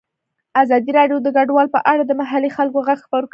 ازادي راډیو د کډوال په اړه د محلي خلکو غږ خپور کړی.